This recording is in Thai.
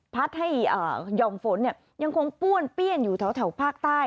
พัดให้หย่อมฝนยังคงป้วนเปี้ยนอยู่แถวภาคใต้